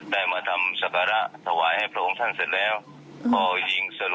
ได้มาทำสัการะถวายพระองค์ท่านเสร็จแล้ว